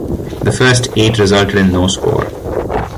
The first eight resulted in no score.